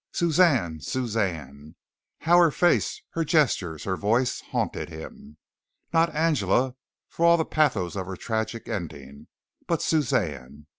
Suzanne! Suzanne! how her face, her gestures, her voice, haunted him. Not Angela, for all the pathos of her tragic ending, but Suzanne.